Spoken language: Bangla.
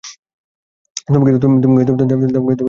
তুমি কি কাউকে ঘর থেকে বাইরে যেতে দেখেছো?